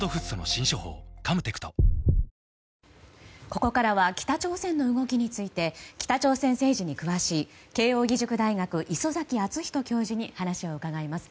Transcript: ここからは北朝鮮の動きについて北朝鮮政治に詳しい慶應義塾大学、礒崎敦仁教授に話を伺います。